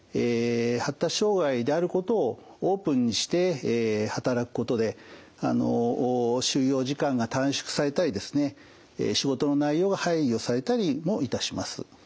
発達障害であることをオープンにして働くことで就労時間が短縮されたり仕事の内容が配慮されたりもいたします。